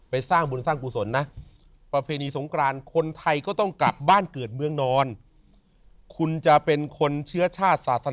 สร้างบุญสร้างกุศลนะประเพณีสงกรานคนไทยก็ต้องกลับบ้านเกิดเมืองนอนคุณจะเป็นคนเชื้อชาติศาสนา